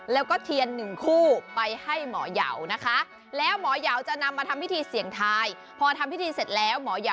แล้วหมอยาวจะนำมาทำพิธีเสียงทาย